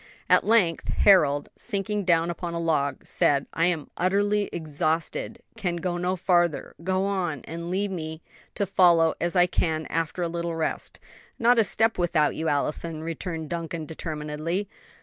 At length Harold, sinking down upon a log, said, "I am utterly exhausted! Can go no farther. Go on, and leave me to follow as I can after a little rest." "Not a step without you, Allison," returned Duncan, determinedly.